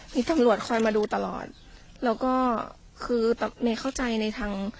มีตำรวจคอยมาดูตลอดแล้วก็คือเมย์เข้าใจในทาง